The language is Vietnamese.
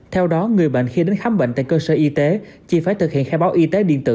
theo đó người bệnh khi đến khám bệnh tại cơ sở y tế chỉ phải thực hiện khai báo y tế điện tử